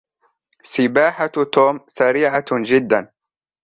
سباحة توم سريعة جداً.